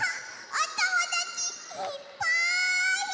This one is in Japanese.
おともだちいっぱい！